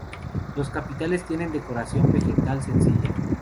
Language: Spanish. Los capiteles tienen decoración vegetal sencilla.